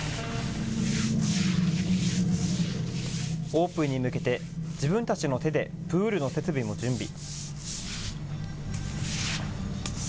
オープンに向けて、自分たちの手でプールの設備も準備。